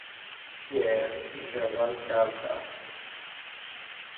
Pierre ijerra lkarṭa.